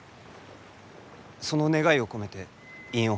その願いを込めて印を彫った。